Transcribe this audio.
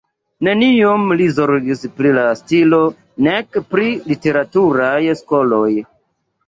Neniom li zorgis pri la stilo nek pri literaturaj skoloj.